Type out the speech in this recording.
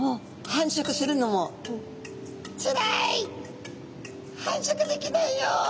「繁殖するのもつらい」「繁殖できないよ」。